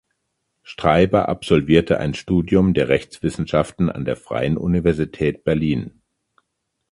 Streiber absolvierte ein Studium der Rechtswissenschaften an der Freien Universität Berlin.